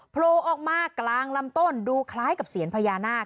โผล่ออกมากลางลำต้นดูคล้ายกับเสียญพญานาค